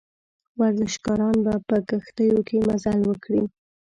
ورزشکاران به په کښتیو کې مزل وکړي.